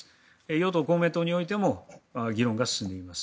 与党・公明党においても議論が進んでいます。